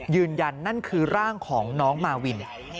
ยืนยันนั่นคือร่างของน้องมาวิน